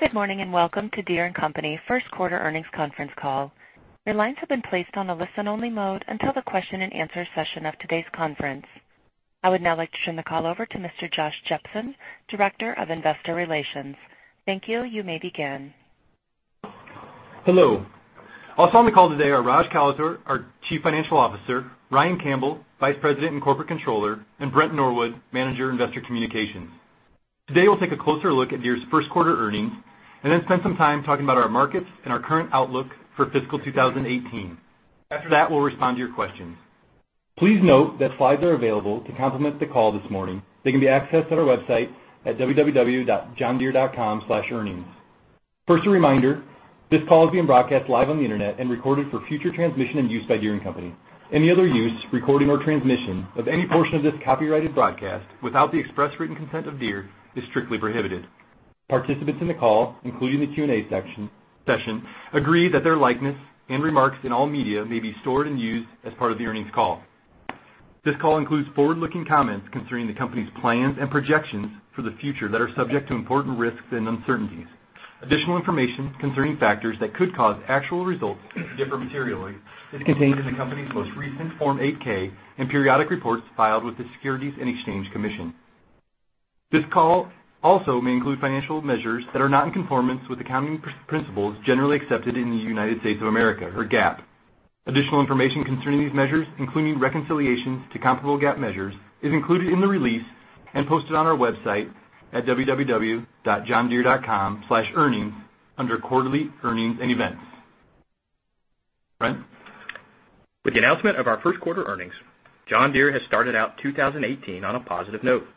Good morning, welcome to Deere & Company first quarter earnings conference call. Your lines have been placed on a listen-only mode until the question and answer session of today's conference. I would now like to turn the call over to Mr. Josh Jepsen, Director of Investor Relations. Thank you. You may begin. Hello. Also on the call today are Raj Kalathur, our Chief Financial Officer, Ryan Campbell, Vice President and Corporate Controller, and Brent Norwood, Manager, Investor Communications. Today, we'll take a closer look at Deere's first quarter earnings, then spend some time talking about our markets and our current outlook for fiscal 2018. After that, we'll respond to your questions. Please note that slides are available to complement the call this morning. They can be accessed on our website at www.johndeere.com/earnings. First, a reminder, this call is being broadcast live on the internet and recorded for future transmission and use by Deere & Company. Any other use, recording, or transmission of any portion of this copyrighted broadcast without the express written consent of Deere is strictly prohibited. Participants in the call, including the Q&A session, agree that their likeness and remarks in all media may be stored and used as part of the earnings call. This call includes forward-looking comments concerning the company's plans and projections for the future that are subject to important risks and uncertainties. Additional information concerning factors that could cause actual results to differ materially is contained in the company's most recent Form 8-K and periodic reports filed with the Securities and Exchange Commission. This call also may include financial measures that are not in conformance with accounting principles generally accepted in the United States of America, or GAAP. Additional information concerning these measures, including reconciliations to comparable GAAP measures, is included in the release and posted on our website at www.johndeere.com/earnings under Quarterly Earnings Events. Brent? With the announcement of our first quarter earnings, John Deere has started out 2018 on a positive note.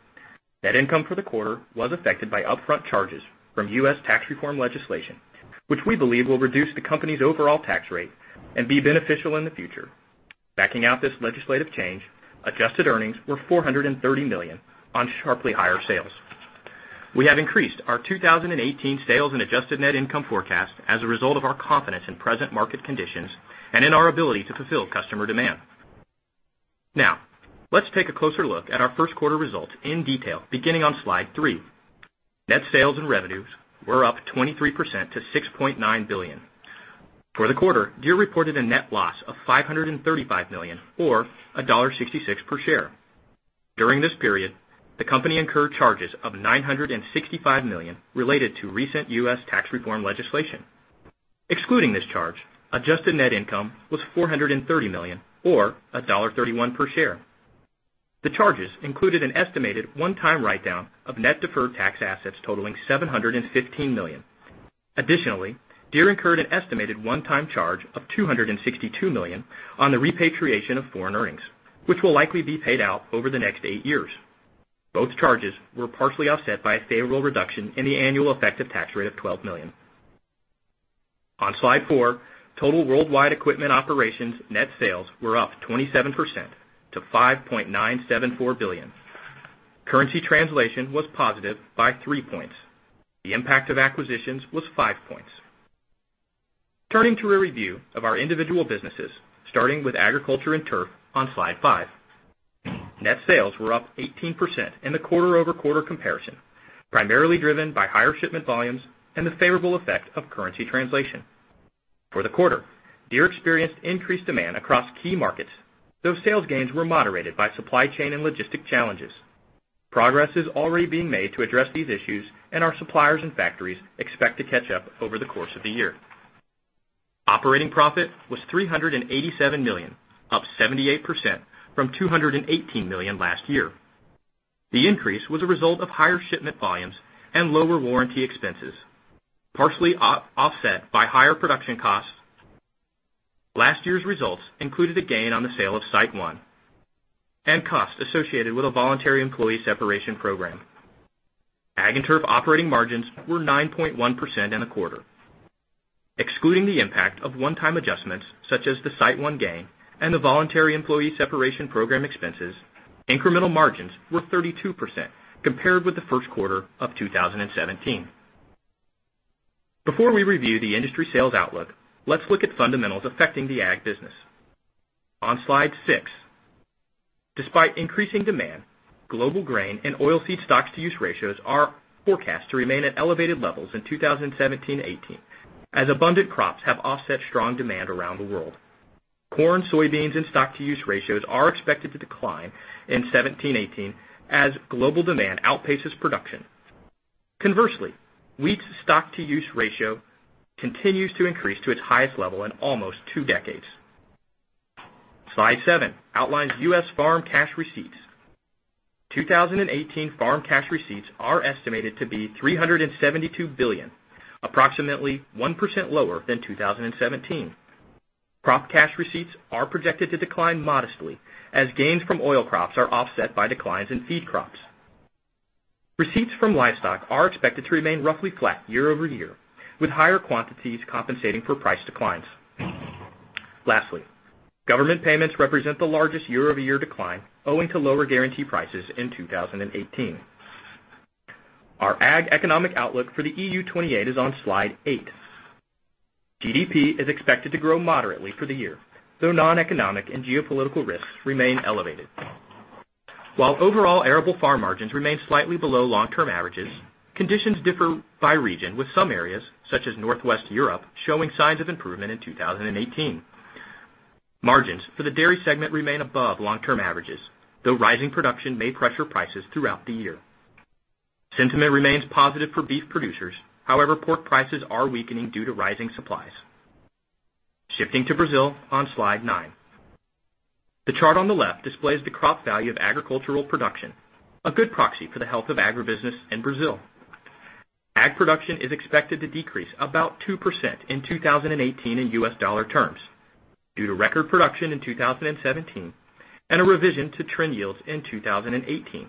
Net income for the quarter was affected by upfront charges from US tax reform legislation, which we believe will reduce the company's overall tax rate and be beneficial in the future. Backing out this legislative change, adjusted earnings were $430 million on sharply higher sales. We have increased our 2018 sales and adjusted net income forecast as a result of our confidence in present market conditions and in our ability to fulfill customer demand. Now, let's take a closer look at our first quarter results in detail, beginning on slide three. Net sales and revenues were up 23% to $6.9 billion. For the quarter, Deere reported a net loss of $535 million or $1.66 per share. During this period, the company incurred charges of $965 million related to recent U.S. tax reform legislation. Excluding this charge, adjusted net income was $430 million, or $1.31 per share. The charges included an estimated one-time write-down of net deferred tax assets totaling $715 million. Additionally, Deere incurred an estimated one-time charge of $262 million on the repatriation of foreign earnings, which will likely be paid out over the next eight years. Both charges were partially offset by a favorable reduction in the annual effective tax rate of $12 million. On slide four, total worldwide equipment operations net sales were up 27% to $5.974 billion. Currency translation was positive by three points. The impact of acquisitions was five points. Turning to a review of our individual businesses, starting with Agriculture and Turf on slide five. Net sales were up 18% in the quarter-over-quarter comparison, primarily driven by higher shipment volumes and the favorable effect of currency translation. For the quarter, Deere experienced increased demand across key markets, though sales gains were moderated by supply chain and logistic challenges. Progress is already being made to address these issues, and our suppliers and factories expect to catch up over the course of the year. Operating profit was $387 million, up 78% from $218 million last year. The increase was a result of higher shipment volumes and lower warranty expenses, partially offset by higher production costs. Last year's results included a gain on the sale of SiteOne and costs associated with a voluntary employee separation program. Ag and Turf operating margins were 9.1% in the quarter. Excluding the impact of one-time adjustments such as the SiteOne gain and the voluntary employee separation program expenses, incremental margins were 32% compared with the first quarter of 2017. Before we review the industry sales outlook, let's look at fundamentals affecting the Ag business. On slide six. Despite increasing demand, global grain and oil seed stocks-to-use ratios are forecast to remain at elevated levels in 2017/18 as abundant crops have offset strong demand around the world. Corn, soybeans, and stocks-to-use ratios are expected to decline in 2017/18 as global demand outpaces production. Conversely, wheat's stocks-to-use ratio continues to increase to its highest level in almost two decades. Slide seven outlines U.S. farm cash receipts. 2018 farm cash receipts are estimated to be $372 billion, approximately 1% lower than 2017. Crop cash receipts are projected to decline modestly as gains from oil crops are offset by declines in feed crops. Receipts from livestock are expected to remain roughly flat year-over-year, with higher quantities compensating for price declines. Lastly, government payments represent the largest year-over-year decline owing to lower guarantee prices in 2018. Our Ag economic outlook for the EU28 is on slide eight. GDP is expected to grow moderately for the year, though non-economic and geopolitical risks remain elevated. While overall arable farm margins remain slightly below long-term averages, conditions differ by region, with some areas, such as Northwest Europe, showing signs of improvement in 2018. Margins for the dairy segment remain above long-term averages, though rising production may pressure prices throughout the year. Sentiment remains positive for beef producers. However, pork prices are weakening due to rising supplies. Shifting to Brazil on slide nine. The chart on the left displays the crop value of agricultural production, a good proxy for the health of agribusiness in Brazil. Ag production is expected to decrease about 2% in 2018 in U.S. dollar terms due to record production in 2017 and a revision to trend yields in 2018.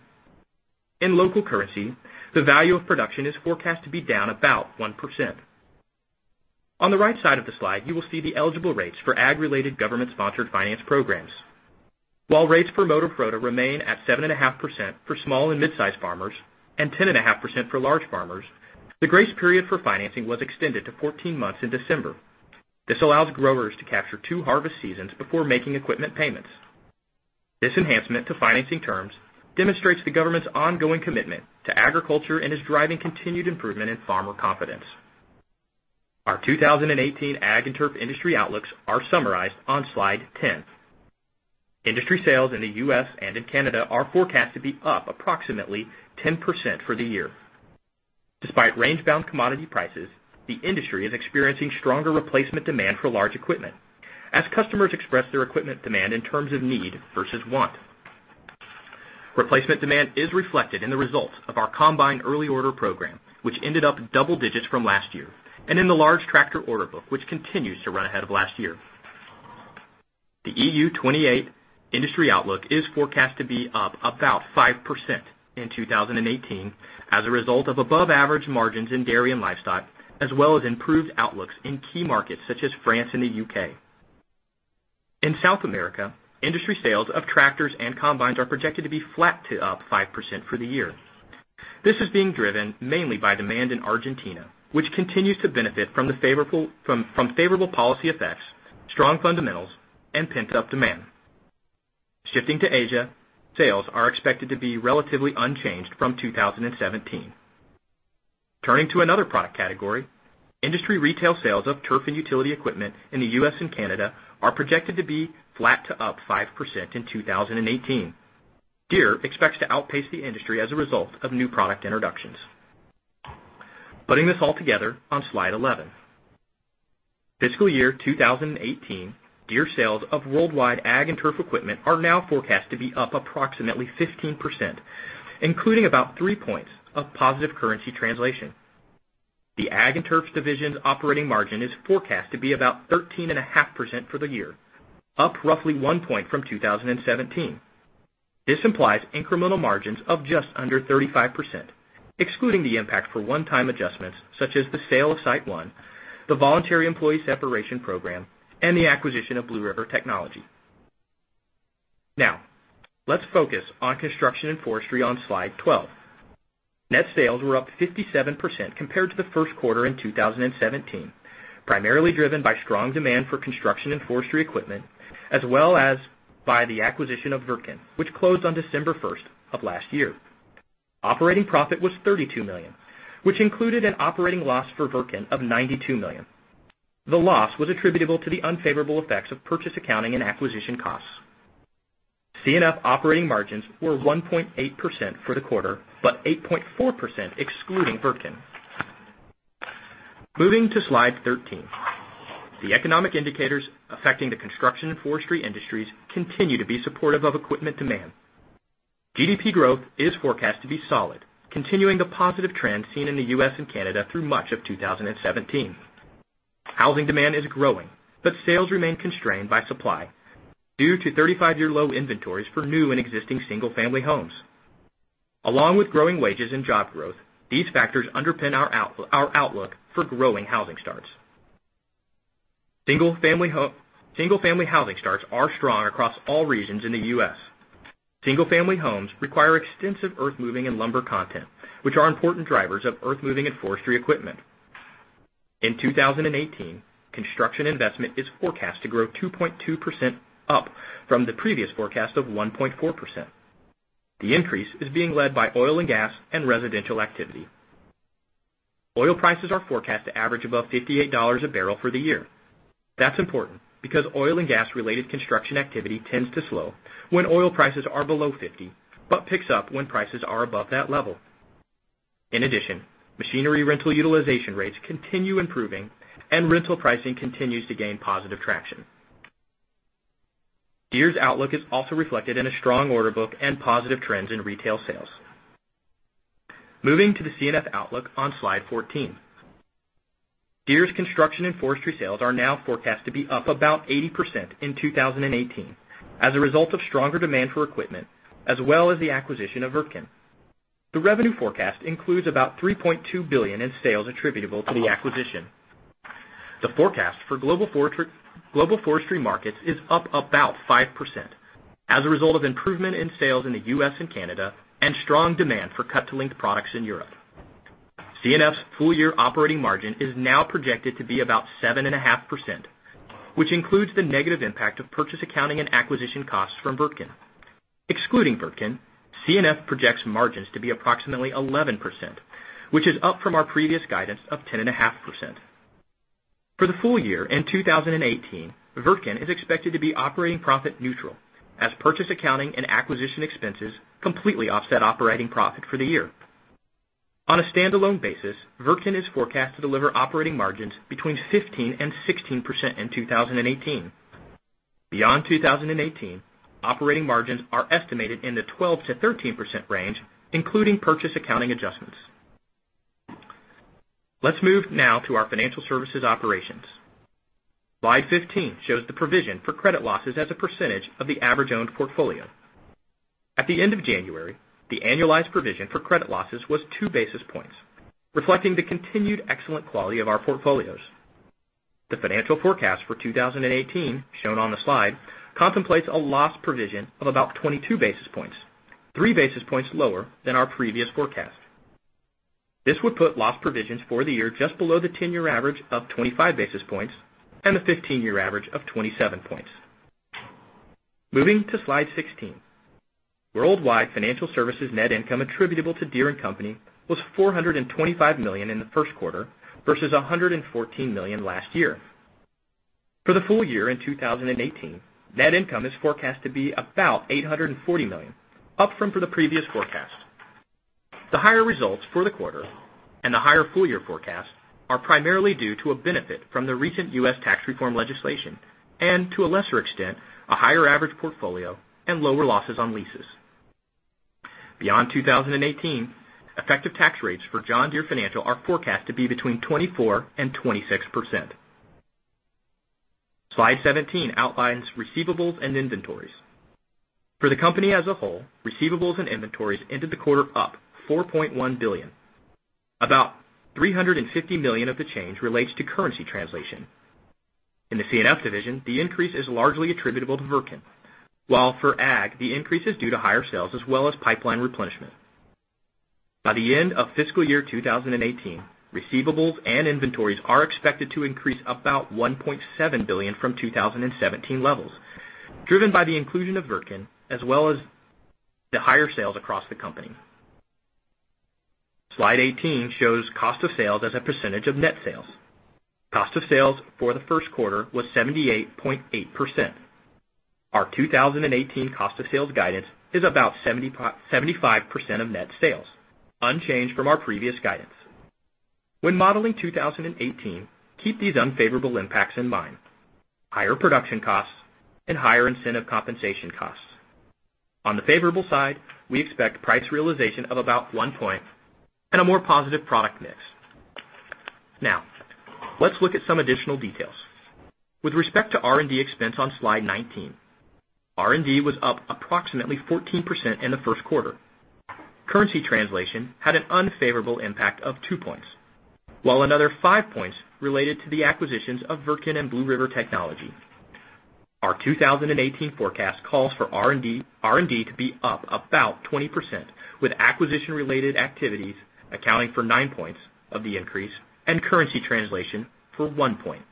In local currency, the value of production is forecast to be down about 1%. On the right side of the slide, you will see the eligible rates for ag-related government-sponsored finance programs. While rates for Moderfrota remain at 7.5% for small and mid-size farmers and 10.5% for large farmers, the grace period for financing was extended to 14 months in December. This allows growers to capture two harvest seasons before making equipment payments. This enhancement to financing terms demonstrates the government's ongoing commitment to agriculture and is driving continued improvement in farmer confidence. Our 2018 Ag and Turf industry outlooks are summarized on slide 10. Industry sales in the U.S. and in Canada are forecast to be up approximately 10% for the year. Despite range-bound commodity prices, the industry is experiencing stronger replacement demand for large equipment as customers express their equipment demand in terms of need versus want. Replacement demand is reflected in the results of our combined Early Order Program, which ended up double digits from last year, and in the large tractor order book, which continues to run ahead of last year. The EU 28 industry outlook is forecast to be up about 5% in 2018 as a result of above-average margins in dairy and livestock, as well as improved outlooks in key markets such as France and the U.K. In South America, industry sales of tractors and combines are projected to be flat to up 5% for the year. This is being driven mainly by demand in Argentina, which continues to benefit from favorable policy effects, strong fundamentals, and pent-up demand. Shifting to Asia, sales are expected to be relatively unchanged from 2017. Turning to another product category, industry retail sales of turf and utility equipment in the U.S. and Canada are projected to be flat to up 5% in 2018. Deere expects to outpace the industry as a result of new product introductions. Putting this all together on slide 11. Fiscal year 2018 Deere sales of worldwide Ag and Turf equipment are now forecast to be up approximately 15%, including about three points of positive currency translation. The Ag and Turf division's operating margin is forecast to be about 13.5% for the year, up roughly one point from 2017. This implies incremental margins of just under 35%, excluding the impact for one-time adjustments such as the sale of SiteOne, the voluntary employee separation program, and the acquisition of Blue River Technology. Let's focus on Construction & Forestry on slide 12. Net sales were up 57% compared to the first quarter in 2017, primarily driven by strong demand for Construction & Forestry equipment, as well as by the acquisition of Wirtgen, which closed on December 1st of last year. Operating profit was $32 million, which included an operating loss for Wirtgen of $92 million. The loss was attributable to the unfavorable effects of purchase accounting and acquisition costs. C&F operating margins were 1.8% for the quarter, but 8.4% excluding Wirtgen. Moving to slide 13. The economic indicators affecting the Construction & Forestry industries continue to be supportive of equipment demand. GDP growth is forecast to be solid, continuing the positive trend seen in the U.S. and Canada through much of 2017. Housing demand is growing, but sales remain constrained by supply due to 35-year low inventories for new and existing single-family homes. Along with growing wages and job growth, these factors underpin our outlook for growing housing starts. Single-family housing starts are strong across all regions in the U.S. Single-family homes require extensive earthmoving and lumber content, which are important drivers of earthmoving and forestry equipment. In 2018, construction investment is forecast to grow 2.2% up from the previous forecast of 1.4%. The increase is being led by oil and gas and residential activity. Oil prices are forecast to average above $58 a barrel for the year. That's important because oil and gas-related construction activity tends to slow when oil prices are below 50, but picks up when prices are above that level. In addition, machinery rental utilization rates continue improving and rental pricing continues to gain positive traction. Deere's outlook is also reflected in a strong order book and positive trends in retail sales. Moving to the C&F outlook on slide 14. Deere's Construction and Forestry sales are now forecast to be up about 80% in 2018 as a result of stronger demand for equipment as well as the acquisition of Wirtgen. The revenue forecast includes about $3.2 billion in sales attributable to the acquisition. The forecast for global forestry markets is up about 5%. As a result of improvement in sales in the U.S. and Canada and strong demand for cut-to-length products in Europe. C&F's full-year operating margin is now projected to be about 7.5%, which includes the negative impact of purchase accounting and acquisition costs from Wirtgen. Excluding Wirtgen, C&F projects margins to be approximately 11%, which is up from our previous guidance of 10.5%. For the full year in 2018, Wirtgen is expected to be operating profit neutral as purchase accounting and acquisition expenses completely offset operating profit for the year. On a standalone basis, Wirtgen is forecast to deliver operating margins between 15%-16% in 2018. Beyond 2018, operating margins are estimated in the 12%-13% range, including purchase accounting adjustments. Let's move now to our financial services operations. Slide 15 shows the provision for credit losses as a percentage of the average owned portfolio. At the end of January, the annualized provision for credit losses was two basis points, reflecting the continued excellent quality of our portfolios. The financial forecast for 2018, shown on the slide, contemplates a loss provision of about 22 basis points, three basis points lower than our previous forecast. This would put loss provisions for the year just below the 10-year average of 25 basis points and the 15-year average of 27 points. Moving to slide 16. Worldwide financial services net income attributable to Deere & Company was $425 million in the first quarter versus $114 million last year. For the full year in 2018, net income is forecast to be about $840 million, up from the previous forecast. The higher results for the quarter and the higher full-year forecast are primarily due to a benefit from the recent U.S. tax reform legislation and, to a lesser extent, a higher average portfolio and lower losses on leases. Beyond 2018, effective tax rates for John Deere Financial are forecast to be between 24%-26%. Slide 17 outlines receivables and inventories. For the company as a whole, receivables and inventories ended the quarter up $4.1 billion. About $350 million of the change relates to currency translation. In the C&F division, the increase is largely attributable to Wirtgen, while for Ag, the increase is due to higher sales as well as pipeline replenishment. By the end of fiscal year 2018, receivables and inventories are expected to increase about $1.7 billion from 2017 levels, driven by the inclusion of Wirtgen as well as the higher sales across the company. Slide 18 shows cost of sales as a percentage of net sales. Cost of sales for the first quarter was 78.8%. Our 2018 cost of sales guidance is about 75% of net sales, unchanged from our previous guidance. When modeling 2018, keep these unfavorable impacts in mind, higher production costs and higher incentive compensation costs. On the favorable side, we expect price realization of about one point and a more positive product mix. Let's look at some additional details. With respect to R&D expense on Slide 19, R&D was up approximately 14% in the first quarter. Currency translation had an unfavorable impact of two points, while another five points related to the acquisitions of Wirtgen and Blue River Technology. Our 2018 forecast calls for R&D to be up about 20%, with acquisition-related activities accounting for nine points of the increase and currency translation for one point.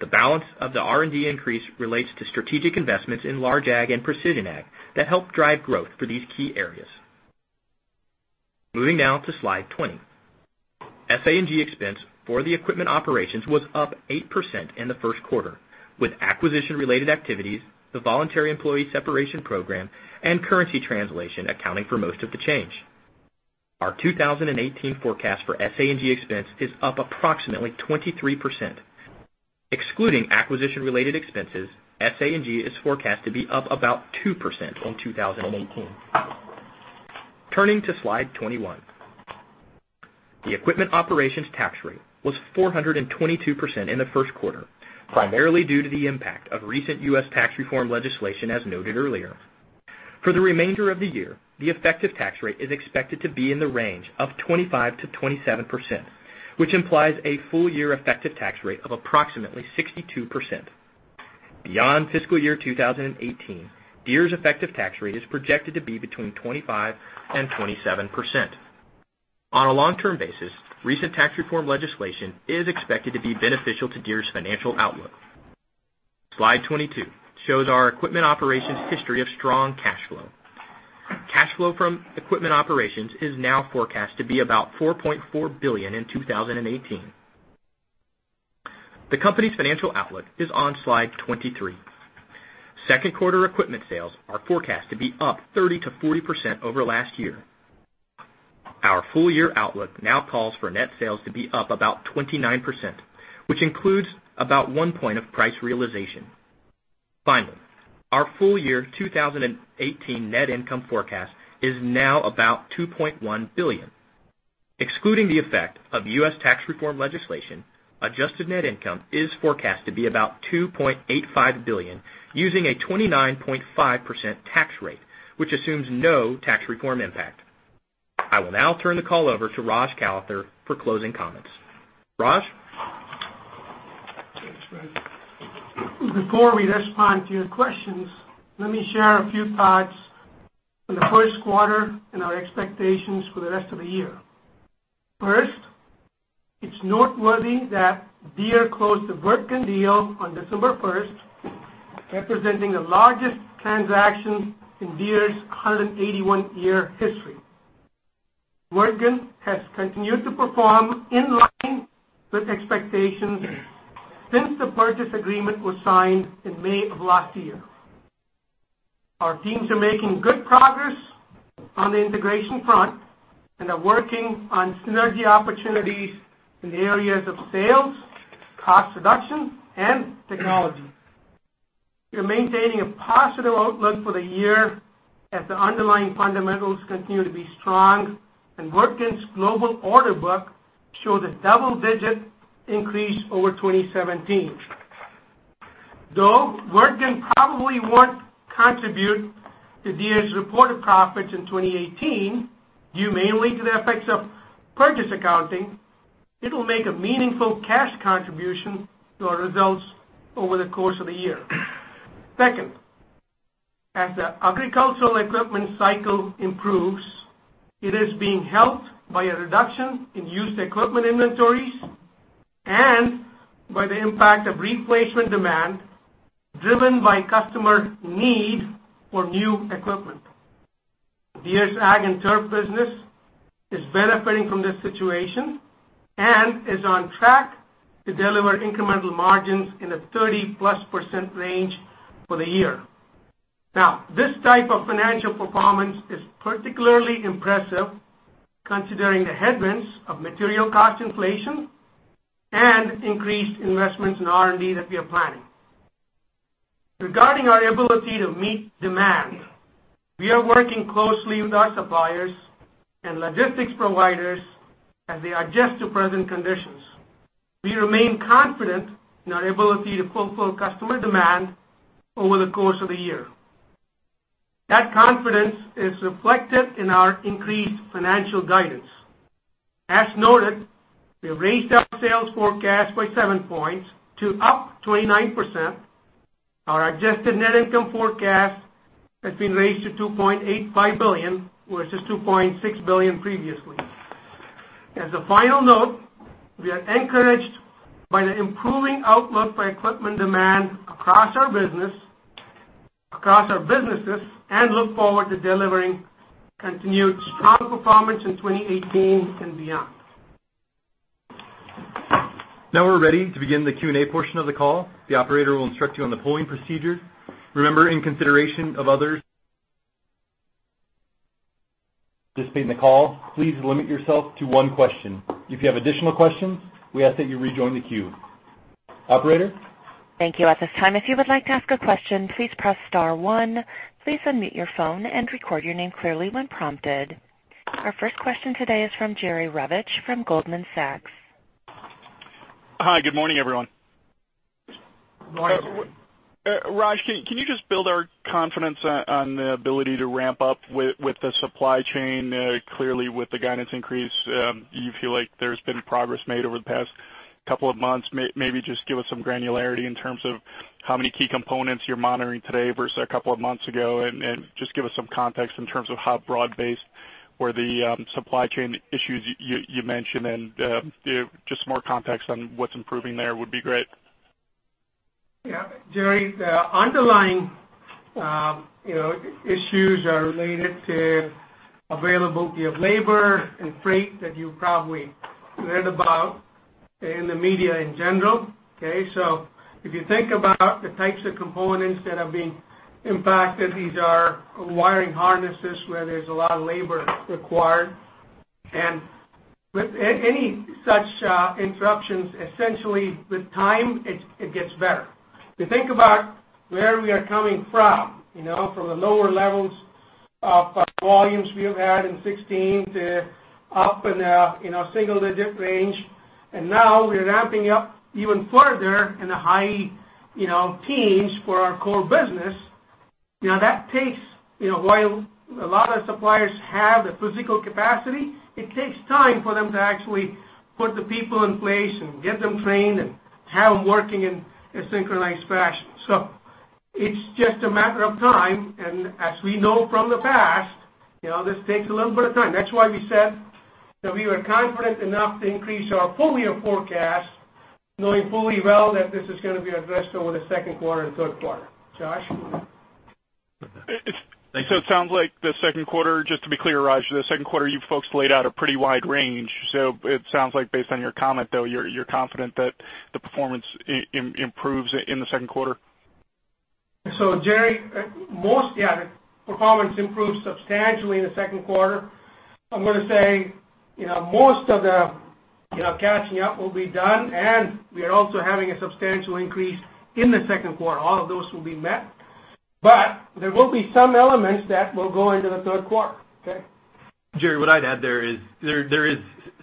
The balance of the R&D increase relates to strategic investments in large Ag and precision Ag that help drive growth for these key areas. Moving now to Slide 20. SA&G expense for the equipment operations was up 8% in the first quarter, with acquisition-related activities, the voluntary employee separation program, and currency translation accounting for most of the change. Our 2018 forecast for SA&G expense is up approximately 23%. Excluding acquisition-related expenses, SA&G is forecast to be up about 2% in 2018. Turning to Slide 21. The equipment operations tax rate was 422% in the first quarter, primarily due to the impact of recent U.S. tax reform legislation, as noted earlier. For the remainder of the year, the effective tax rate is expected to be in the range of 25%-27%, which implies a full-year effective tax rate of approximately 62%. Beyond fiscal year 2018, Deere's effective tax rate is projected to be between 25%-27%. On a long-term basis, recent tax reform legislation is expected to be beneficial to Deere's financial outlook. Slide 22 shows our equipment operations history of strong cash flow. Cash flow from equipment operations is now forecast to be about $4.4 billion in 2018. The company's financial outlook is on Slide 23. Second quarter equipment sales are forecast to be up 30%-40% over last year. Our full-year outlook now calls for net sales to be up about 29%, which includes about one point of price realization. Finally, our full-year 2018 net income forecast is now about $2.1 billion. Excluding the effect of U.S. tax reform legislation, adjusted net income is forecast to be about $2.85 billion using a 29.5% tax rate, which assumes no tax reform impact. I will now turn the call over to Raj Kalathur for closing comments. Raj? Thanks, Brent. Before we respond to your questions, let me share a few thoughts for the first quarter and our expectations for the rest of the year. First, it's noteworthy that Deere closed the Wirtgen deal on December 1st, representing the largest transaction in Deere's 181-year history. Wirtgen has continued to perform in line with expectations since the purchase agreement was signed in May of last year. Our teams are making good progress on the integration front and are working on synergy opportunities in the areas of sales, cost reduction, and technology. We're maintaining a positive outlook for the year as the underlying fundamentals continue to be strong and Wirtgen's global order book showed a double-digit increase over 2017. Wirtgen probably won't contribute to Deere's reported profits in 2018, due mainly to the effects of purchase accounting, it'll make a meaningful cash contribution to our results over the course of the year. Second, as the agricultural equipment cycle improves, it is being helped by a reduction in used equipment inventories and by the impact of replacement demand driven by customer need for new equipment. Deere's ag and turf business is benefiting from this situation and is on track to deliver incremental margins in a 30-plus% range for the year. This type of financial performance is particularly impressive considering the headwinds of material cost inflation and increased investments in R&D that we are planning. Regarding our ability to meet demand, we are working closely with our suppliers and logistics providers as they adjust to present conditions. We remain confident in our ability to fulfill customer demand over the course of the year. That confidence is reflected in our increased financial guidance. Noted, we have raised our sales forecast by seven points to up 29%. Our adjusted net income forecast has been raised to $2.85 billion, versus $2.6 billion previously. A final note, we are encouraged by the improving outlook for equipment demand across our businesses, and look forward to delivering continued strong performance in 2018 and beyond. We're ready to begin the Q&A portion of the call. The operator will instruct you on the polling procedure. Remember, in consideration of others participating in the call, please limit yourself to one question. If you have additional questions, we ask that you rejoin the queue. Operator? Thank you. At this time, if you would like to ask a question, please press star one. Please unmute your phone and record your name clearly when prompted. Our first question today is from Jerry Revich from Goldman Sachs. Hi. Good morning, everyone. Morning. Raj, can you just build our confidence on the ability to ramp up with the supply chain? Clearly, with the guidance increase, you feel like there's been progress made over the past couple of months. Maybe just give us some granularity in terms of how many key components you're monitoring today versus a couple of months ago and just give us some context in terms of how broad-based were the supply chain issues you mentioned and just more context on what's improving there would be great. Yeah. Jerry, the underlying issues are related to availability of labor and freight that you probably read about in the media in general, okay? If you think about the types of components that are being impacted, these are wiring harnesses where there's a lot of labor required. With any such interruptions, essentially, with time, it gets better. If you think about where we are coming from the lower levels of volumes we have had in 2016 to up in a single-digit range, and now we're ramping up even further in the high teens for our core business. While a lot of suppliers have the physical capacity, it takes time for them to actually put the people in place and get them trained and have them working in a synchronized fashion. It's just a matter of time, and as we know from the past, this takes a little bit of time. That's why we said that we were confident enough to increase our full-year forecast, knowing fully well that this is going to be addressed over the second quarter and third quarter. Josh? Thank you. It sounds like the second quarter, just to be clear, Raj, the second quarter, you folks laid out a pretty wide range. It sounds like based on your comment, though, you're confident that the performance improves in the second quarter? Jerry, yeah, the performance improves substantially in the second quarter. I'm going to say most of the catching up will be done, and we are also having a substantial increase in the second quarter. All of those will be met, but there will be some elements that will go into the third quarter, okay? Jerry, what I'd add there is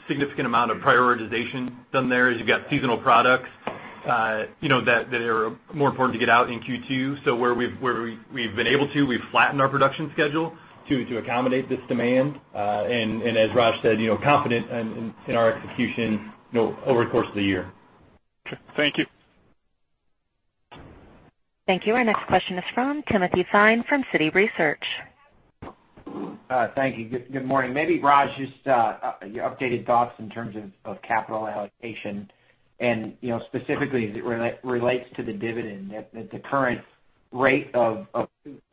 significant amount of prioritization done there as you've got seasonal products that are more important to get out in Q2. Where we've been able to, we've flattened our production schedule to accommodate this demand. As Raj said, confident in our execution over the course of the year. Okay. Thank you. Thank you. Our next question is from Timothy Thein from Citi Research. Thank you. Good morning. Maybe, Raj, just your updated thoughts in terms of capital allocation and specifically as it relates to the dividend. At the current rate of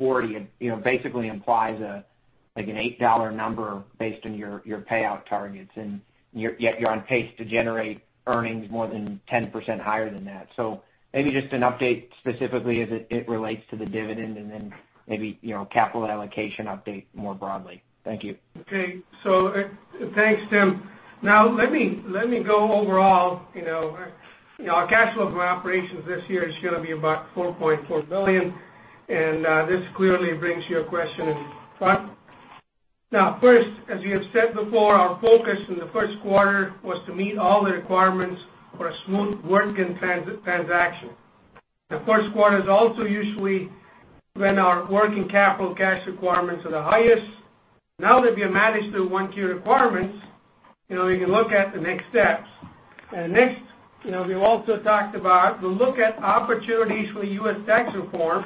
$240, it basically implies an $8 number based on your payout targets, yet you're on pace to generate earnings more than 10% higher than that. Maybe just an update specifically as it relates to the dividend and then maybe capital allocation update more broadly. Thank you. Okay. Thanks, Tim. Let me go overall. Our cash flow from operations this year is going to be about $4.4 billion, and this clearly brings your question in front. First, as we have said before, our focus in the first quarter was to meet all the requirements for a smooth Wirtgen transaction. The first quarter is also usually when our working capital cash requirements are the highest. Now that we have managed the 1Q requirements, we can look at the next steps. Next, we've also talked about, we'll look at opportunities for U.S. tax reform.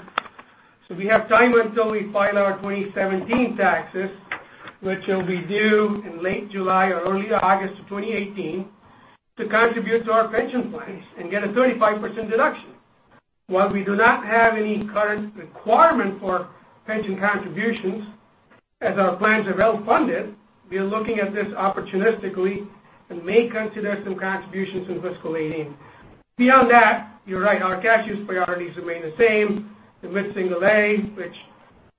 We have time until we file our 2017 taxes, which will be due in late July or early August of 2018, to contribute to our pension plans and get a 35% deduction. While we do not have any current requirement for pension contributions, as our plans are well-funded, we are looking at this opportunistically and may consider some contributions in fiscal 2018. Beyond that, you're right, our cash use priorities remain the same. The mid-single A, which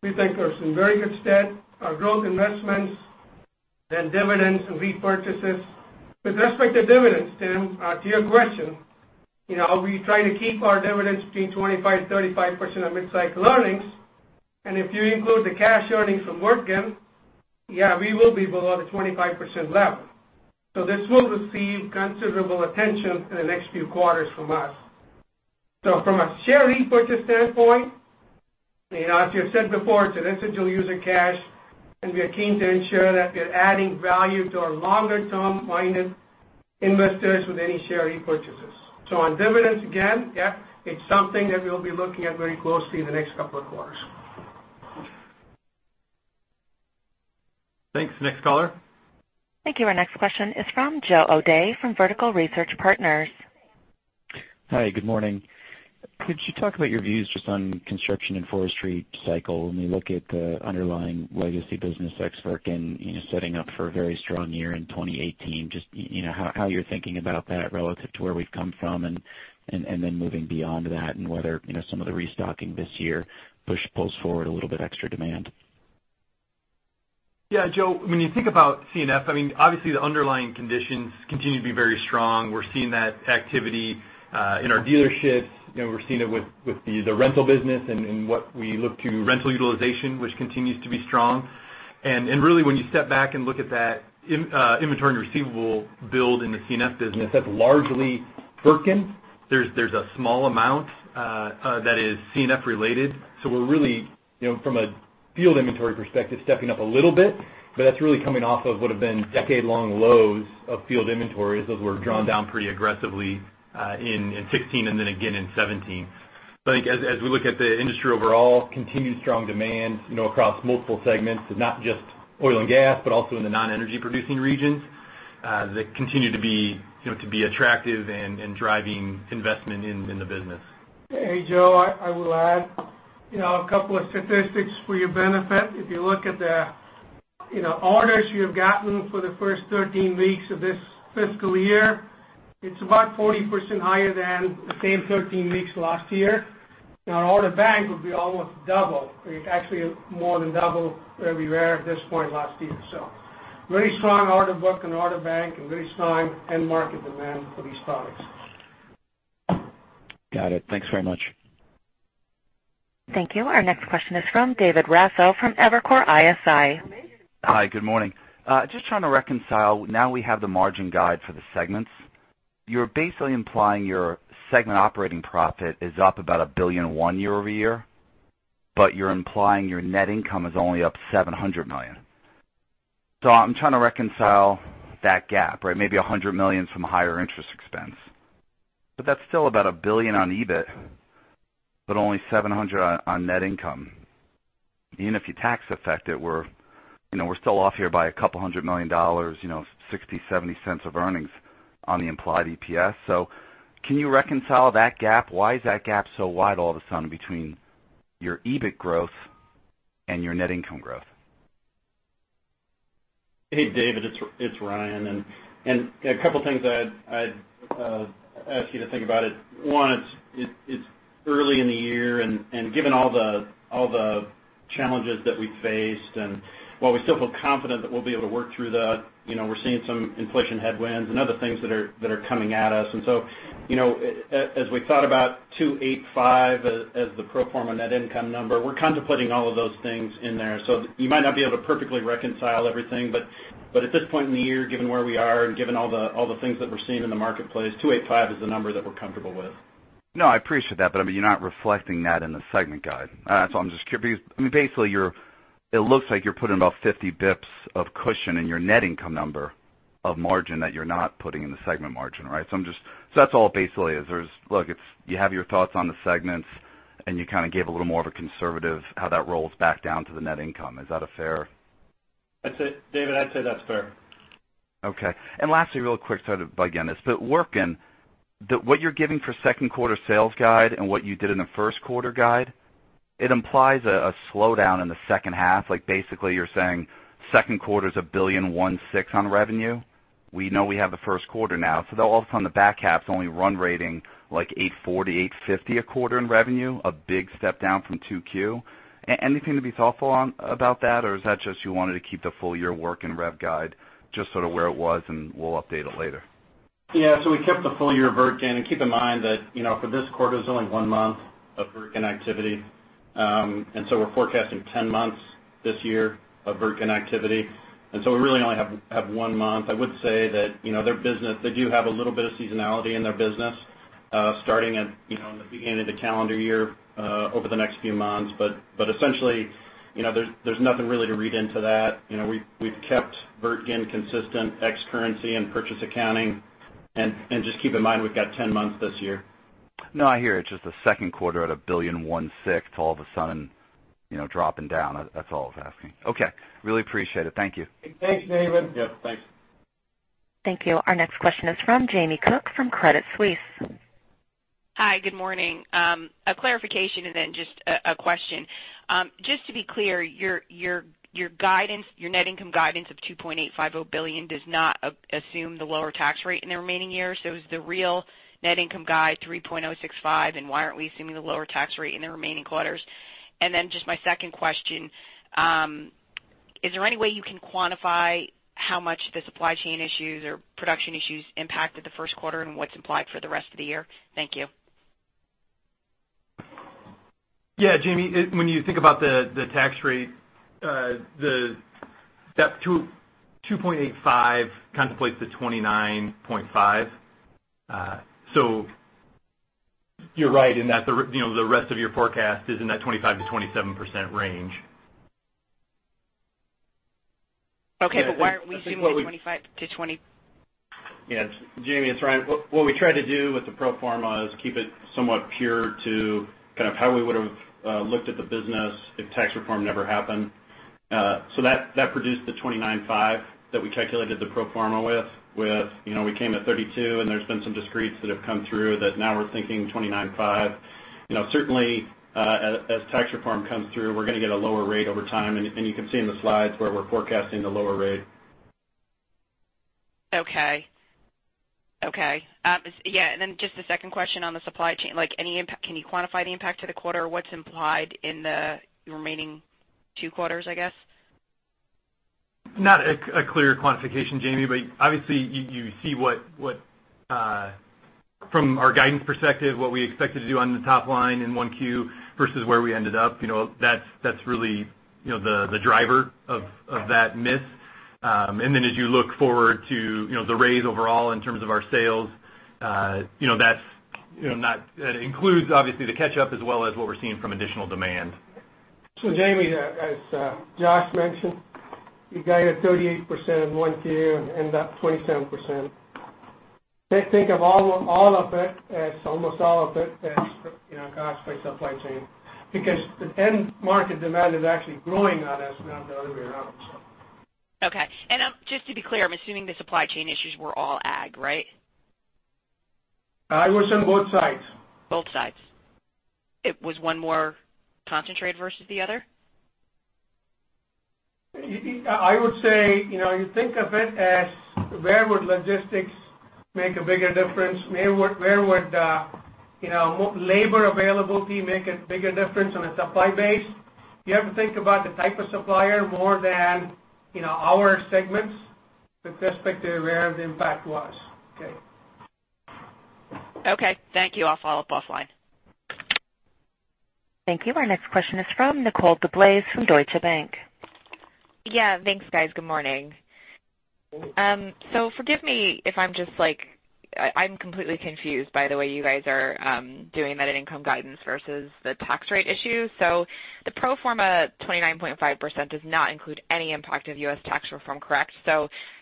we think are some very good stead. Our growth investments, then dividends and repurchases. With respect to dividends, Tim, to your question, we try to keep our dividends between 25%-35% of mid-cycle earnings. If you include the cash earnings from Wirtgen, yeah, we will be below the 25% level. This will receive considerable attention in the next few quarters from us. From a share repurchase standpoint, as you said before, it's an essential user cash, and we are keen to ensure that we're adding value to our longer-term minded investors with any share repurchases. On dividends, again, yeah, it's something that we'll be looking at very closely in the next couple of quarters. Thanks. Next caller. Thank you. Our next question is from Joe O'Dea from Vertical Research Partners. Hi. Good morning. Could you talk about your views just on construction and forestry cycle when we look at the underlying legacy business ex Wirtgen setting up for a very strong year in 2018? Just how you're thinking about that relative to where we've come from and then moving beyond that and whether some of the restocking this year pulls forward a little bit extra demand. Yeah, Joe, when you think about C&F, obviously the underlying conditions continue to be very strong. We're seeing that activity in our dealerships. We're seeing it with the rental business and what we look to rental utilization, which continues to be strong. Really when you step back and look at that inventory and receivable build in the C&F business, that's largely Wirtgen. There's a small amount that is C&F related. We're really, from a field inventory perspective, stepping up a little bit, but that's really coming off of what have been decade-long lows of field inventories. Those were drawn down pretty aggressively in 2016 and then again in 2017. I think as we look at the industry overall, continued strong demand across multiple segments of not just oil and gas, but also in the non-energy producing regions that continue to be attractive and driving investment in the business. Hey, Joe, I will add a couple of statistics for your benefit. If you look at the orders you have gotten for the first 13 weeks of this fiscal year, it's about 40% higher than the same 13 weeks last year. Now, our order bank would be almost double. It's actually more than double where we were at this point last year. Very strong order book and order bank and very strong end market demand for these products. Got it. Thanks very much. Thank you. Our next question is from David Raso from Evercore ISI. Hi, good morning. Just trying to reconcile, now we have the margin guide for the segments. You're basically implying your segment operating profit is up about $1.1 billion year-over-year, but you're implying your net income is only up $700 million. I'm trying to reconcile that gap, right? Maybe $100 million from higher interest expense. That's still about $1 billion on EBIT, but only $700 on net income. Even if you tax affect it, we're still off here by a couple of hundred million dollars, $0.60, $0.70 of earnings on the implied EPS. Can you reconcile that gap? Why is that gap so wide all of a sudden between your EBIT growth and your net income growth? Hey, David, it's Ryan. A couple of things I'd ask you to think about it. One, it's early in the year. Given all the challenges that we faced, and while we still feel confident that we'll be able to work through that, we're seeing some inflation headwinds and other things that are coming at us. As we thought about $285 as the pro forma net income number, we're contemplating all of those things in there. You might not be able to perfectly reconcile everything, but at this point in the year, given where we are and given all the things that we're seeing in the marketplace, $285 is the number that we're comfortable with. No, I appreciate that. You're not reflecting that in the segment guide. That's why I'm just curious. Basically, it looks like you're putting about 50 basis points of cushion in your net income number of margin that you're not putting in the segment margin, right? That's all it basically is. Look, you have your thoughts on the segments, and you kind of gave a little more of a conservative how that rolls back down to the net income. Is that a fair- David, I'd say that's fair. Okay. Lastly, real quick, sorry to bug you on this. Wirtgen, what you're giving for second quarter sales guide and what you did in the first quarter guide, it implies a slowdown in the second half. Basically, you're saying second quarter is $1.16 billion on revenue. We know we have the first quarter now. All of a sudden, the back half's only run rating like $840 million-$850 million a quarter in revenue, a big step down from 2Q. Anything to be thoughtful on about that, or is that just you wanted to keep the full year Wirtgen revenue guide just sort of where it was, and we'll update it later? We kept the full year Wirtgen, and keep in mind that, for this quarter, it's only one month of Wirtgen activity. We're forecasting 10 months this year of Wirtgen activity. We really only have one month. I would say that they do have a little bit of seasonality in their business, starting at the beginning of the calendar year over the next few months. Essentially, there's nothing really to read into that. We've kept Wirtgen consistent ex-currency and purchase accounting, and just keep in mind, we've got 10 months this year. No, I hear it. Just the second quarter at a billion 1.6, it's all of a sudden dropping down. That's all I was asking. Okay. Really appreciate it. Thank you. Thanks, David. Yep, thanks. Thank you. Our next question is from Jamie Cook from Credit Suisse. Hi, good morning. A clarification and then just a question. Just to be clear, your net income guidance of $2.85 billion does not assume the lower tax rate in the remaining years. Is the real net income guide $3.065 billion, and why aren't we assuming the lower tax rate in the remaining quarters? Just my second question, is there any way you can quantify how much the supply chain issues or production issues impacted the first quarter and what's implied for the rest of the year? Thank you. Yeah, Jamie, when you think about the tax rate, that $2.85 billion contemplates the 29.5%. You're right in that the rest of your forecast is in that 25%-27% range. Okay, why aren't we assuming the 25%-20%? Yeah. Jamie, it's Ryan. What we tried to do with the pro forma is keep it somewhat pure to how we would've looked at the business if tax reform never happened. That produced the 29.5% that we calculated the pro forma with. We came at 32%, and there's been some discretes that have come through that now we're thinking 29.5%. As tax reform comes through, we're going to get a lower rate over time, and you can see in the slides where we're forecasting the lower rate. Okay. Then just the second question on the supply chain. Can you quantify the impact to the quarter, or what's implied in the remaining two quarters, I guess? Not a clear quantification, Jamie, but obviously you see from our guidance perspective, what we expected to do on the top line in 1Q versus where we ended up. That's really the driver of that miss. Then as you look forward to the raise overall in terms of our sales, that includes obviously the catch-up as well as what we're seeing from additional demand. Jamie, as Josh mentioned, you guided 38% in 1Q and ended up 27%. Think of almost all of it as caused by supply chain, because the end market demand is actually growing on us, not the other way around. Okay. Just to be clear, I'm assuming the supply chain issues were all ag, right? Ag was on both sides. Both sides. Was one more concentrated versus the other? I would say, you think of it as where would logistics make a bigger difference? Where would labor availability make a bigger difference on a supply base? You have to think about the type of supplier more than our segments with respect to where the impact was. Okay. Okay. Thank you. I'll follow up offline. Thank you. Our next question is from Nicole DeBlase from Deutsche Bank. Yeah. Thanks, guys. Good morning. Forgive me if I'm just like I'm completely confused by the way you guys are doing net income guidance versus the tax rate issue. The pro forma 29.5% does not include any impact of U.S. tax reform, correct?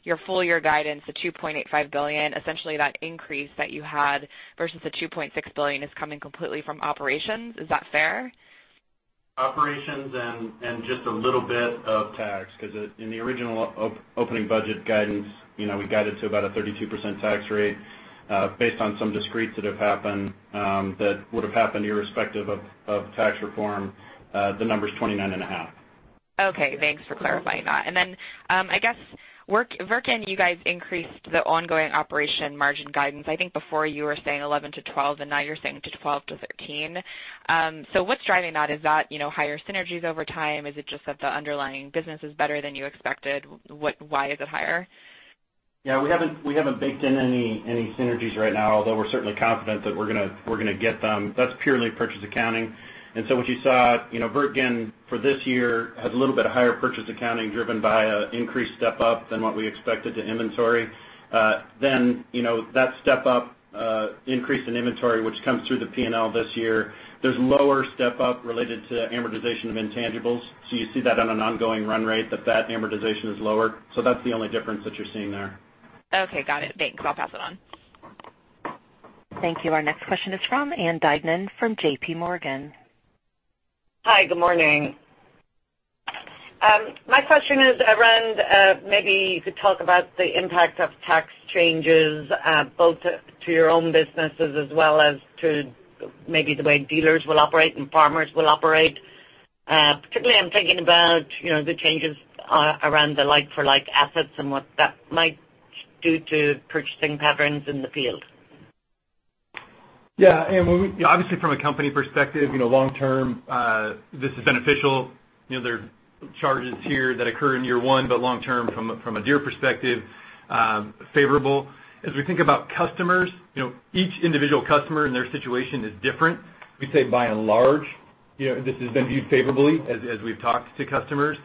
Your full year guidance, the $2.85 billion, essentially that increase that you had versus the $2.6 billion is coming completely from operations. Is that fair? Operations and just a little bit of tax, because in the original opening budget guidance, we guided to about a 32% tax rate. Based on some discretes that have happened that would've happened irrespective of tax reform, the number's 29.5%. Okay. Thanks for clarifying that. I guess Wirtgen, you guys increased the ongoing operation margin guidance. I think before you were saying 11%-12%, and now you're saying 12%-13%. What's driving that? Is that higher synergies over time? Is it just that the underlying business is better than you expected? Why is it higher? Yeah, we haven't baked in any synergies right now, although we're certainly confident that we're going to get them. That's purely purchase accounting. What you saw, Wirtgen for this year has a little bit of higher purchase accounting driven by an increased step-up than what we expected to inventory. That step-up increase in inventory, which comes through the P&L this year, there's lower step-up related to amortization of intangibles. You see that on an ongoing run rate that that amortization is lower. That's the only difference that you're seeing there. Okay, got it. Thanks. I'll pass it on. Thank you. Our next question is from Ann Duignan from J.P. Morgan. Hi, good morning. My question is around, maybe you could talk about the impact of tax changes, both to your own businesses as well as to maybe the way dealers will operate and farmers will operate. Particularly, I'm thinking about the changes around the like-for-like assets and what that might do to purchasing patterns in the field. Yeah. Ann, obviously from a company perspective, long term, this is beneficial. There are charges here that occur in year one, but long term from a Deere perspective, favorable. As we think about customers, each individual customer and their situation is different. We'd say by and large this has been viewed favorably as we've talked to customers.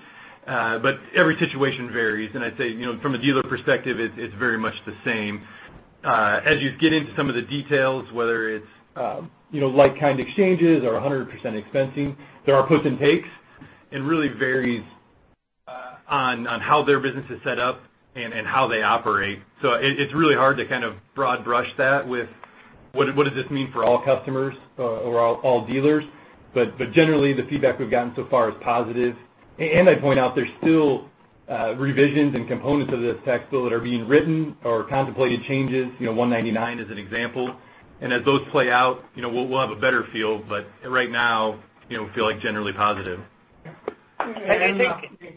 Every situation varies, and I'd say, from a dealer perspective, it's very much the same. As you get into some of the details, whether it's like-kind exchanges or 100% expensing, there are puts and takes, and really varies on how their business is set up and how they operate. It's really hard to kind of broad brush that with what does this mean for all customers or all dealers. Generally, the feedback we've gotten so far is positive. I point out there's still revisions and components of this tax bill that are being written or contemplated changes, 199A as an example. As those play out, we'll have a better feel. Right now, we feel like generally positive. Okay, thank you.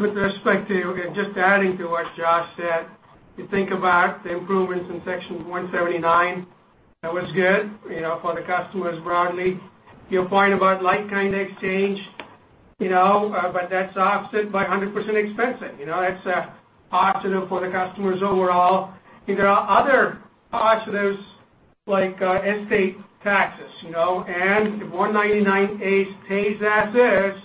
With respect to, just adding to what Josh said, you think about the improvements in Section 179, that was good for the customers broadly. Your point about like-kind exchange, but that's offset by 100% expensing. That's a positive for the customers overall. There are other positives like estate taxes, and if 199A stays as is,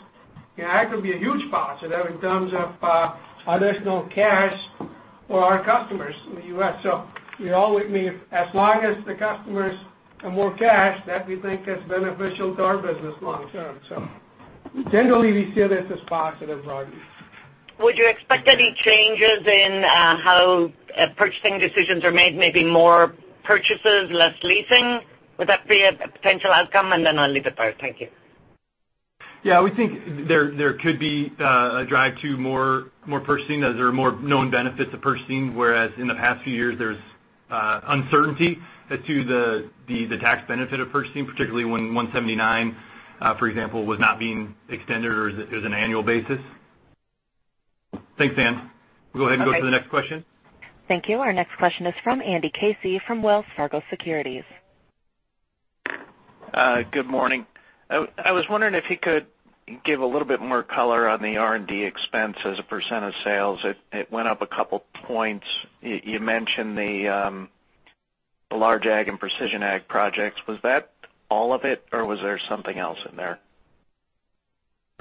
that could be a huge positive in terms of additional cash for our customers in the U.S. We always need, as long as the customers have more cash, that we think is beneficial to our business long term. Generally, we see this as positive broadly. Would you expect any changes in how purchasing decisions are made, maybe more purchases, less leasing? Would that be a potential outcome? Then I'll leave it there. Thank you. We think there could be a drive to more purchasing as there are more known benefits of purchasing, whereas in the past few years, there's uncertainty as to the tax benefit of purchasing, particularly when 179, for example, was not being extended or it was an annual basis. Thanks, Ann. We'll go ahead and go to the next question. Thank you. Our next question is from Andy Casey from Wells Fargo Securities. Good morning. I was wondering if you could give a little bit more color on the R&D expense as a % of sales. It went up a couple points. You mentioned the large ag and precision ag projects. Was that all of it, or was there something else in there?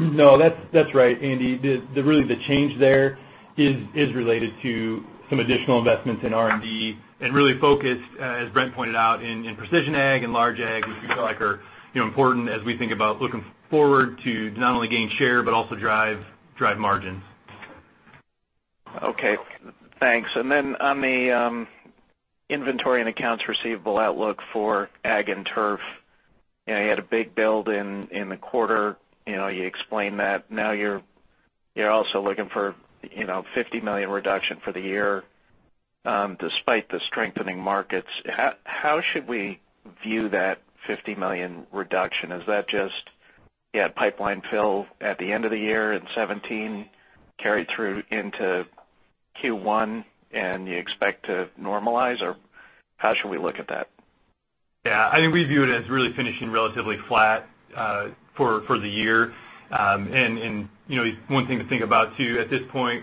No, that's right, Andy. The change there is related to some additional investments in R&D and really focused, as Brent pointed out, in precision ag and large ag, which we feel like are important as we think about looking forward to not only gain share, but also drive margins. Okay, thanks. On the inventory and accounts receivable outlook for ag and turf, you had a big build in the quarter. You explained that. You're also looking for $50 million reduction for the year despite the strengthening markets. How should we view that $50 million reduction? Is that just you had pipeline fill at the end of the year in 2017 carried through into Q1, and you expect to normalize? How should we look at that? Yeah, I think we view it as really finishing relatively flat for the year. One thing to think about, too, at this point,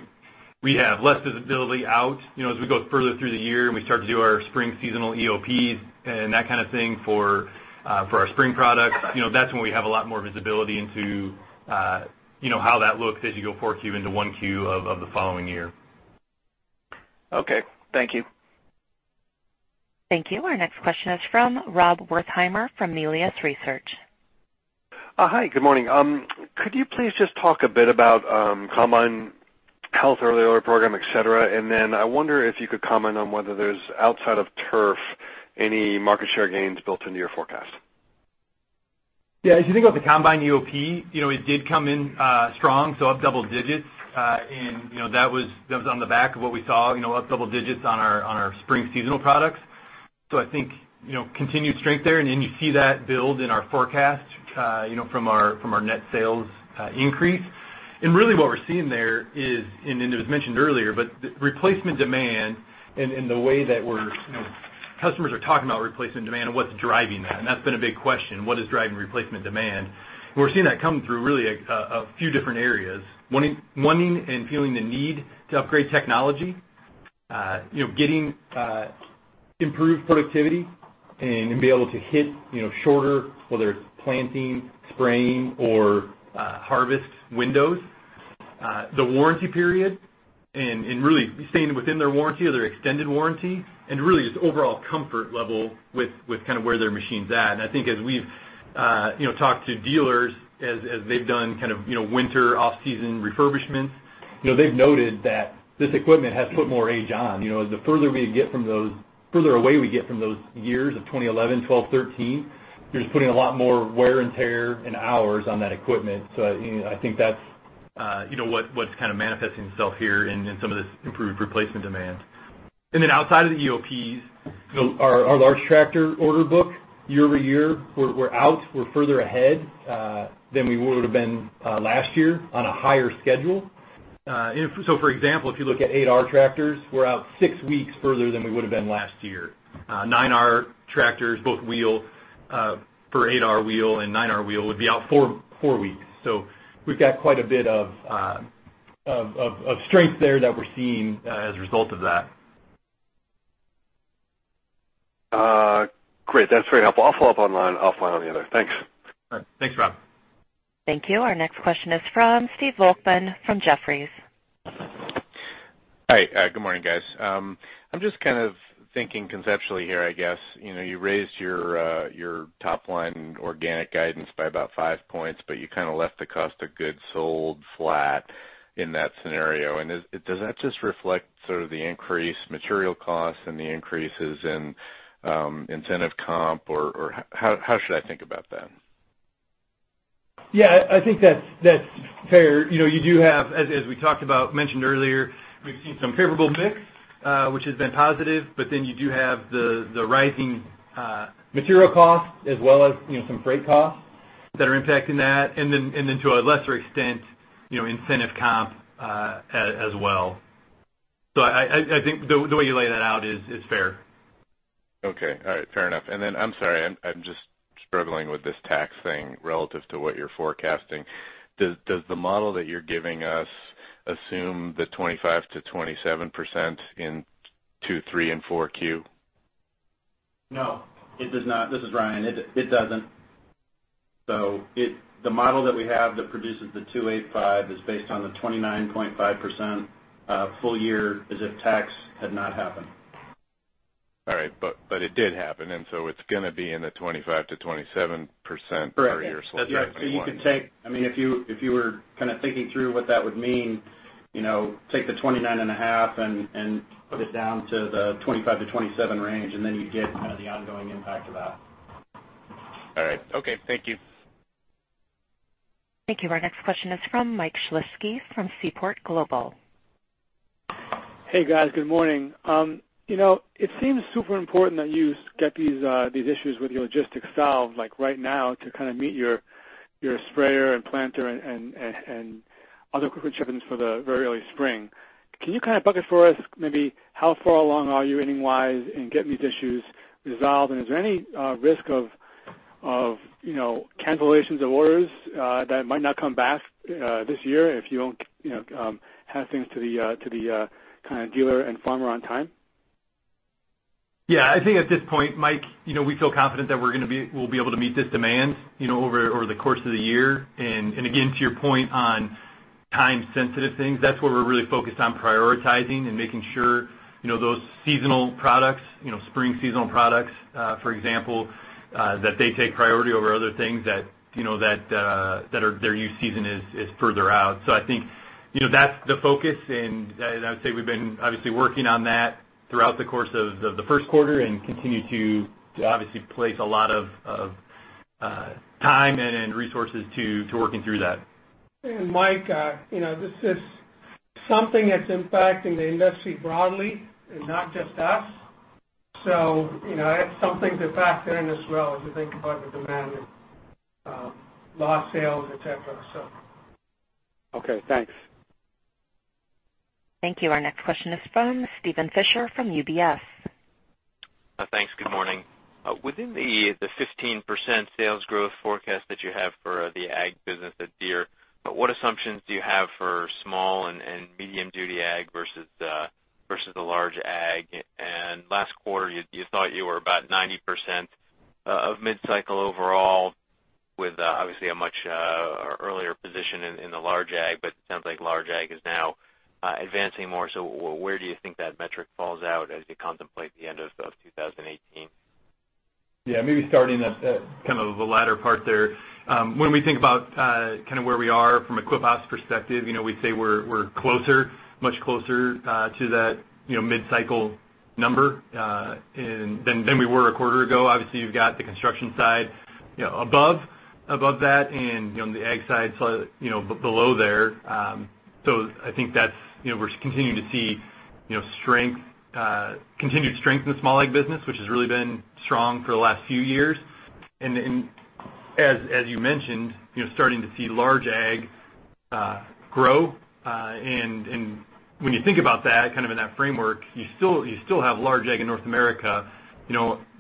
we have less visibility out as we go further through the year and we start to do our spring seasonal EOPs and that kind of thing for our spring products. That's when we have a lot more visibility into how that looks as you go 4Q into 1Q of the following year. Okay. Thank you. Thank you. Our next question is from Rob Wertheimer from Melius Research. Hi, good morning. Could you please just talk a bit about combine health Early Order Program, et cetera? I wonder if you could comment on whether there's, outside of turf, any market share gains built into your forecast. Yeah. If you think about the combine EOP, it did come in strong, up double digits. That was on the back of what we saw, up double digits on our spring seasonal products. I think continued strength there, and you see that build in our forecast from our net sales increase. Really what we're seeing there is, and it was mentioned earlier, replacement demand and the way that customers are talking about replacement demand and what's driving that. That's been a big question, what is driving replacement demand? We're seeing that come through really a few different areas. Wanting and feeling the need to upgrade technology, getting improved productivity and be able to hit shorter, whether it's planting, spraying, or harvest windows. The warranty period, really staying within their warranty or their extended warranty, really just overall comfort level with kind of where their machine's at. I think as we've talked to dealers as they've done kind of winter off-season refurbishments. They've noted that this equipment has put more age on. The further away we get from those years of 2011, 2012, 2013, you're just putting a lot more wear and tear and hours on that equipment. I think that's what's kind of manifesting itself here in some of this improved replacement demand. Then outside of the EOPs, our large tractor order book year-over-year, we're further ahead than we would've been last year on a higher schedule. For example, if you look at 8R tractors, we're out six weeks further than we would've been last year. 9R tractors, both wheel, for 8R wheel and 9R wheel would be out four weeks. We've got quite a bit of strength there that we're seeing as a result of that. Great. That's very helpful. I'll follow up offline on the other. Thanks. All right. Thanks, Rob. Thank you. Our next question is from Steve Volkmann from Jefferies. Hi. Good morning, guys. I'm just kind of thinking conceptually here, I guess. You raised your top line organic guidance by about five points, but you kind of left the cost of goods sold flat in that scenario. Does that just reflect sort of the increased material costs and the increases in incentive comp, or how should I think about that? Yeah, I think that's fair. You do have, as we talked about, mentioned earlier, we've seen some favorable mix, which has been positive, you do have the rising material costs as well as some freight costs that are impacting that. To a lesser extent, incentive comp as well. I think the way you lay that out is fair. Okay. All right. Fair enough. I'm sorry, I'm just struggling with this tax thing relative to what you're forecasting. Does the model that you're giving us assume the 25%-27% in two, three, and four Q? No, it does not. This is Ryan. It doesn't. The model that we have that produces the $2.85 is based on the 29.5% full year as if tax had not happened. All right. It did happen, it's going to be in the 25%-27% per year. Correct. So 29 point- If you were kind of thinking through what that would mean, take the 29.5 and put it down to the 25%-27% range, you get kind of the ongoing impact of that. All right. Okay. Thank you. Thank you. Our next question is from Mike Shlisky from Seaport Global. Hey, guys. Good morning. It seems super important that you get these issues with your logistics solved, like right now to kind of meet your sprayer and planter and other equipment shipments for the very early spring. Can you kind of bucket for us maybe how far along are you inning-wise in getting these issues resolved? Is there any risk of cancellations of orders that might not come back this year if you don't have things to the dealer and farmer on time? Yeah. I think at this point, Mike, we feel confident that we'll be able to meet this demand over the course of the year. Again, to your point on time-sensitive things, that's where we're really focused on prioritizing and making sure those seasonal products, spring seasonal products, for example, that they take priority over other things that their use season is further out. I think that's the focus, I would say we've been obviously working on that throughout the course of the first quarter and continue to obviously place a lot of time and resources to working through that. Mike, this is something that's impacting the industry broadly and not just us. It's something to factor in as well as you think about the demand and lost sales, et cetera. Okay, thanks. Thank you. Our next question is from Steven Fisher from UBS. Thanks. Good morning. Within the 15% sales growth forecast that you have for the ag business at Deere, what assumptions do you have for small and medium duty ag versus the large ag? Last quarter, you thought you were about 90% of mid-cycle overall with obviously a much earlier position in the large ag, but it sounds like large ag is now advancing more. Where do you think that metric falls out as you contemplate the end of 2018? Maybe starting at the latter part there. When we think about where we are from equip ops perspective, we say we're closer, much closer to that mid-cycle number than we were a quarter ago. Obviously, you've got the construction side above that, and the ag side below there. I think we're continuing to see continued strength in the small ag business, which has really been strong for the last few years. As you mentioned, starting to see large ag grow. When you think about that in that framework, you still have large ag in North America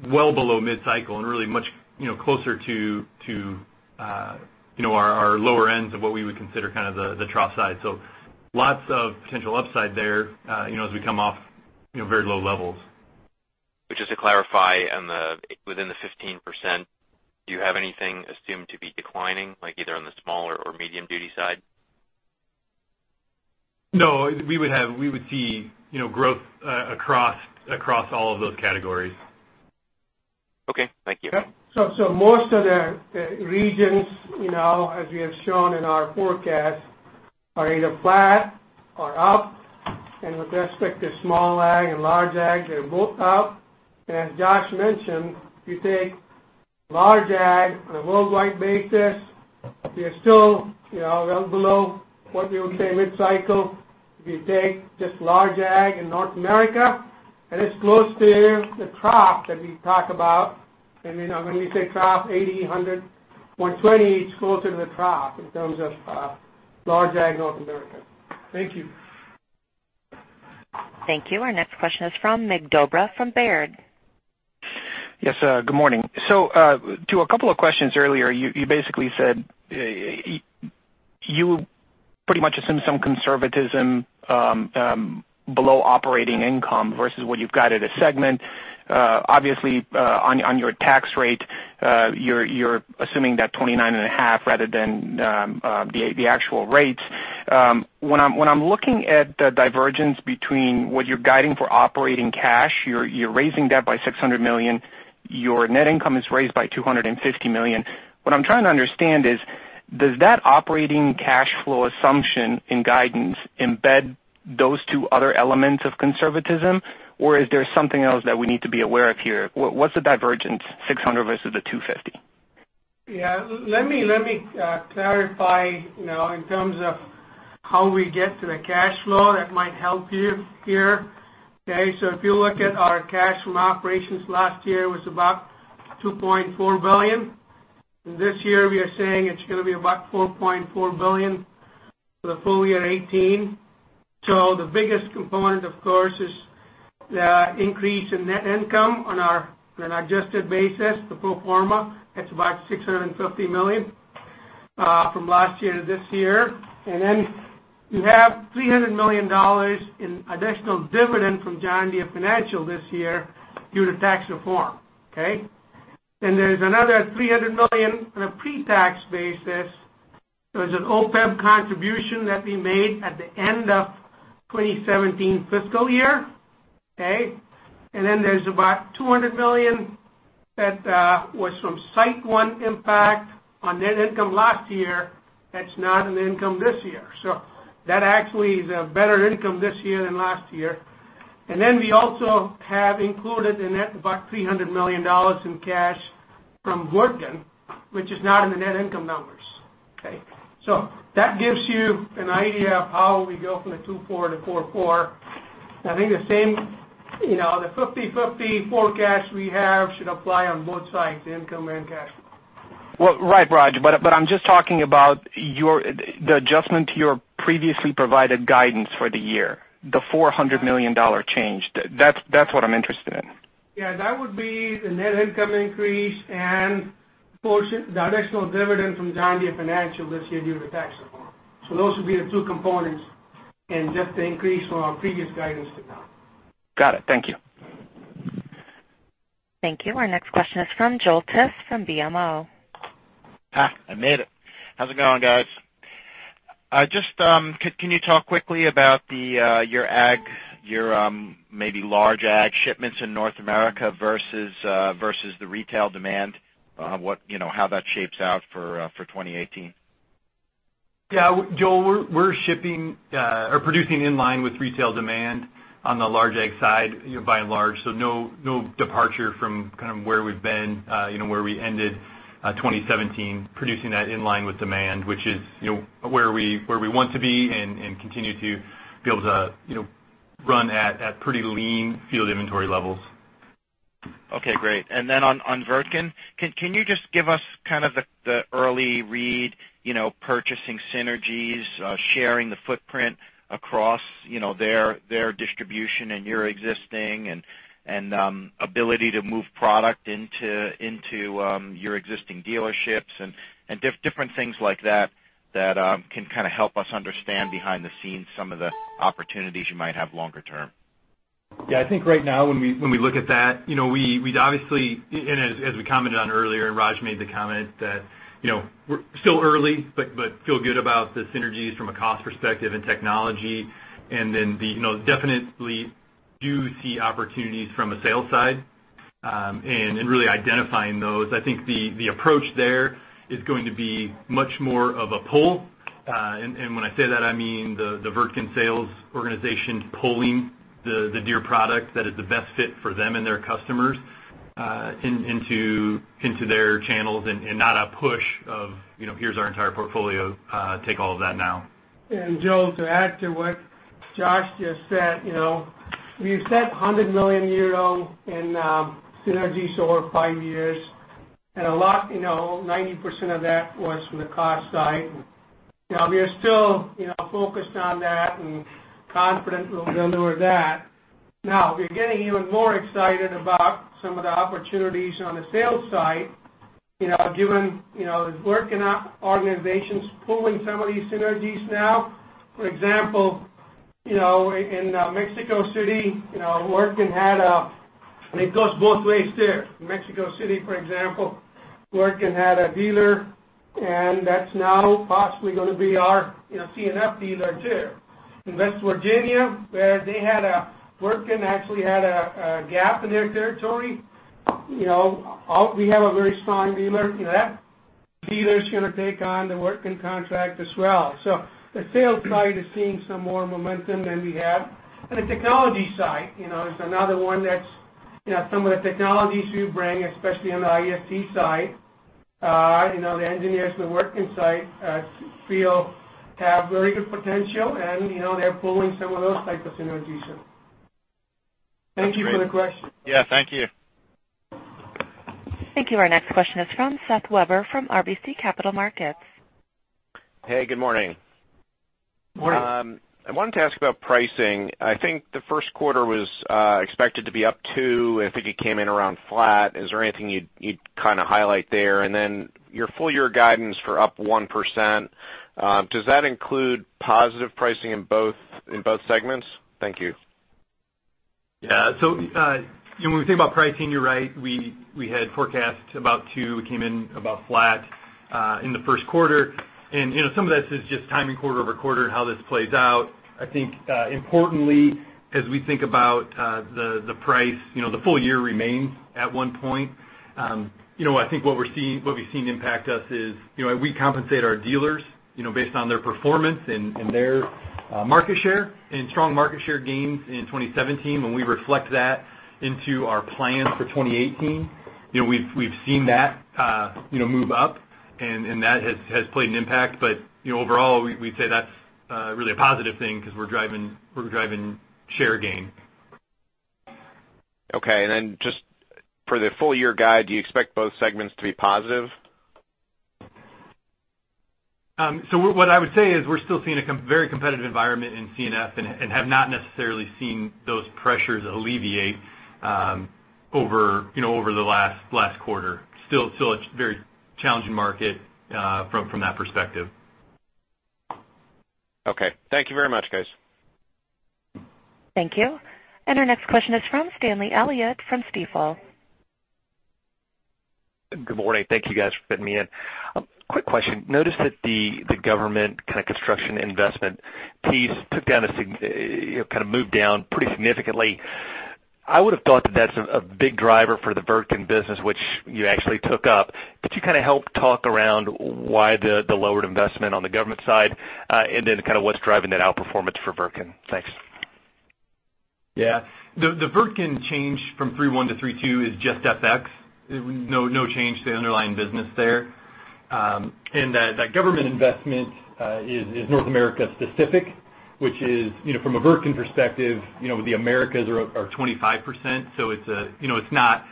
well below mid-cycle and really much closer to our lower ends of what we would consider the trough side. Lots of potential upside there as we come off very low levels. Just to clarify on the within the 15%, do you have anything assumed to be declining, like either on the small or medium duty side? No, we would see growth across all of those categories. Okay. Thank you. Most of the regions, as we have shown in our forecast, are either flat or up. With respect to small ag and large ag, they're both up. As Josh mentioned, if you take large ag on a worldwide basis, we are still well below what we would say mid cycle. If you take just large ag in North America, it's close to the trough that we talk about. When we say trough, 80, 100, 120, it's closer to the trough in terms of large ag North America. Thank you. Thank you. Our next question is from Mig Dobre, from Baird. Yes, good morning. To a couple of questions earlier, you basically said you pretty much assume some conservatism below operating income versus what you've guided as segment. Obviously, on your tax rate, you're assuming that 29.5% rather than the actual rates. When I'm looking at the divergence between what you're guiding for operating cash, you're raising that by $600 million. Your net income is raised by $250 million. What I'm trying to understand is, does that operating cash flow assumption in guidance embed those two other elements of conservatism, or is there something else that we need to be aware of here? What's the divergence, $600 versus the $250? Let me clarify, in terms of how we get to the cash flow, that might help you here. If you look at our cash from operations last year was about $2.4 billion. This year we are saying it's going to be about $4.4 billion for the full year 2018. The biggest component, of course, is the increase in net income on an adjusted basis. The pro forma, that's about $650 million from last year to this year. You have $300 million in additional dividend from John Deere Financial this year due to tax reform. There's another $300 million on a pre-tax basis. There's an OPEB contribution that we made at the end of 2017 fiscal year. There's about $200 million that was from SiteOne impact on net income last year. That's not in income this year. That actually is a better income this year than last year. We also have included in that about $300 million in cash from Wirtgen, which is not in the net income numbers. That gives you an idea of how we go from the $2.4 billion to $4.4 billion. I think the same, the 50/50 forecast we have should apply on both sides, the income and cash flow. Right, Raj, I'm just talking about the adjustment to your previously provided guidance for the year, the $400 million change. That's what I'm interested in. That would be the net income increase and the additional dividend from John Deere Financial this year due to tax reform. Those would be the two components in just the increase from our previous guidance to now. Got it. Thank you. Thank you. Our next question is from Joel Tiss from BMO. Ha, I made it. How's it going, guys? Can you talk quickly about your ag, your maybe large ag shipments in North America versus the retail demand? How that shapes out for 2018. Yeah, Joel, we're shipping or producing in line with retail demand on the large ag side by and large. No departure from kind of where we've been, where we ended 2017, producing that in line with demand, which is where we want to be and continue to be able to run at pretty lean field inventory levels. Okay, great. On Wirtgen, can you just give us kind of the early read, purchasing synergies, sharing the footprint across their distribution and your existing, and ability to move product into your existing dealerships and different things like that can kind of help us understand behind the scenes some of the opportunities you might have longer term? Yeah, I think right now when we look at that, we'd obviously, as we commented on earlier and Raj made the comment that we're still early but feel good about the synergies from a cost perspective and technology. Definitely do see opportunities from a sales side, and in really identifying those. I think the approach there is going to be much more of a pull. When I say that, I mean the Wirtgen sales organization pulling the Deere product that is the best fit for them and their customers into their channels and not a push of, "Here's our entire portfolio. Take all of that now. Joel, to add to what Josh just said, we've said 100 million euro in synergies over five years. A lot, 90% of that was from the cost side. We are still focused on that and confident we'll deliver that. We're getting even more excited about some of the opportunities on the sales side, given Wirtgen organization's pulling some of these synergies now. For example, in Mexico City, Wirtgen had a dealer, and it goes both ways there. In Mexico City, for example, Wirtgen had a dealer, and that's now possibly going to be our C&F dealer too. In West Virginia, where Wirtgen actually had a gap in their territory, we have a very strong dealer. That dealer's going to take on the Wirtgen contract as well. The sales side is seeing some more momentum than we have. On the technology side, it's another one that some of the technologies we bring, especially on the IFT side, the engineers at the Wirtgen side feel have very good potential, and they're pulling some of those types of synergies in. Thank you for the question. Yeah, thank you. Thank you. Our next question is from Seth Weber from RBC Capital Markets. Hey, good morning. Morning. I wanted to ask about pricing. I think the first quarter was expected to be up 2%. I think it came in around flat. Is there anything you'd highlight there? Your full year guidance for up 1%, does that include positive pricing in both segments? Thank you. Yeah. When we think about pricing, you're right, we had forecast about 2%. We came in about flat in the first quarter. Some of that is just timing quarter-over-quarter and how this plays out. I think, importantly, as we think about the price, the full year remains at 1%. I think what we've seen impact us is, we compensate our dealers based on their performance and their market share, and strong market share gains in 2017, when we reflect that into our plans for 2018, we've seen that move up, and that has played an impact. Overall, we'd say that's really a positive thing because we're driving share gain. Okay. Just for the full year guide, do you expect both segments to be positive? What I would say is we're still seeing a very competitive environment in C&F and have not necessarily seen those pressures alleviate over the last quarter. Still a very challenging market from that perspective. Okay. Thank you very much, guys. Thank you. Our next question is from Stanley Elliott from Stifel. Good morning. Thank you, guys, for fitting me in. Quick question. Noticed that the government construction investment piece kind of moved down pretty significantly. I would've thought that that's a big driver for the Wirtgen business, which you actually took up. Could you help talk around why the lowered investment on the government side, and then what's driving that outperformance for Wirtgen? Thanks. The Wirtgen change from three one to three two is just FX. No change to the underlying business there. That government investment is North America-specific, which is, from a Wirtgen perspective, the Americas are 25%, so it's not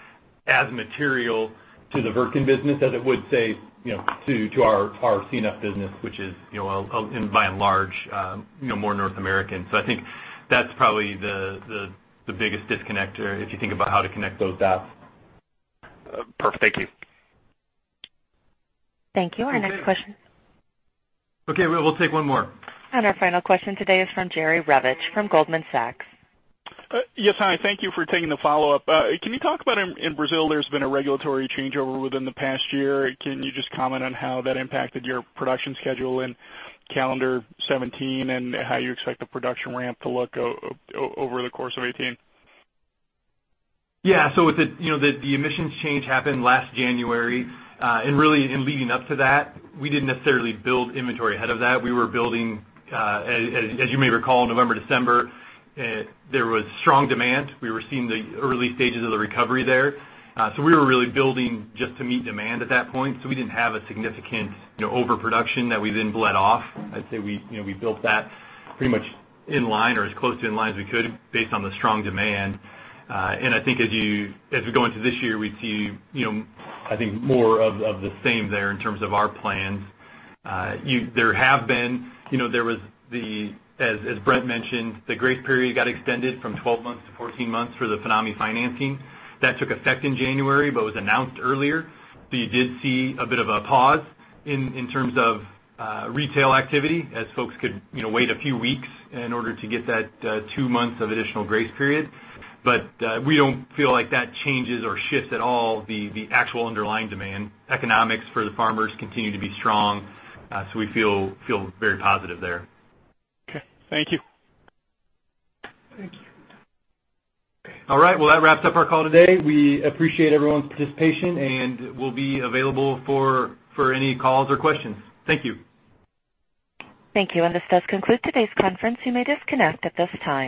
as material to the Wirtgen business as it would, say, to our C&F business, which is by and large more North American. I think that's probably the biggest disconnect, if you think about how to connect those dots. Perfect. Thank you. Thank you. Our next question. We'll take one more. Our final question today is from Jerry Revich from Goldman Sachs. Yes, hi. Thank you for taking the follow-up. Can you talk about in Brazil, there has been a regulatory changeover within the past year. Can you just comment on how that impacted your production schedule in calendar 2017 and how you expect the production ramp to look over the course of 2018? The emissions change happened last January. Really, in leading up to that, we did not necessarily build inventory ahead of that. We were building, as you may recall, November, December, there was strong demand. We were seeing the early stages of the recovery there. We were really building just to meet demand at that point. We did not have a significant overproduction that we then bled off. I would say we built that pretty much in line or as close to in line as we could based on the strong demand. I think as we go into this year, we see more of the same there in terms of our plans. As Brent mentioned, the grace period got extended from 12 months to 14 months for the Finame financing. That took effect in January, but was announced earlier. You did see a bit of a pause in terms of retail activity as folks could wait a few weeks in order to get that two months of additional grace period. We do not feel like that changes or shifts at all the actual underlying demand. Economics for the farmers continue to be strong, we feel very positive there. Okay. Thank you. Thank you. All right. Well, that wraps up our call today. We appreciate everyone's participation, and we'll be available for any calls or questions. Thank you. Thank you. This does conclude today's conference. You may disconnect at this time.